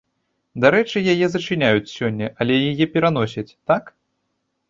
Дарэчы, яе зачыняюць сёння, але яе пераносяць, так?